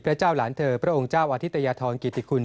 เจ้าหลานเธอพระองค์เจ้าวาธิตยธรกิติคุณ